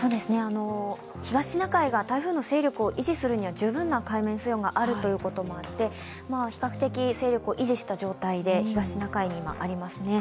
東シナ海が台風の勢力を維持するには十分な水温がありまして比較的勢力を維持した状態で東シナ海に今、ありますね。